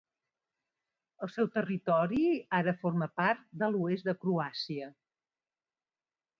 El seu territori ara forma part de l'oest de Croàcia.